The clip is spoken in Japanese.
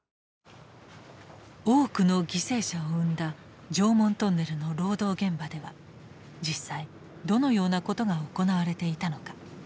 多くの犠牲者を生んだ常紋トンネルの労働現場では実際どのようなことが行われていたのか？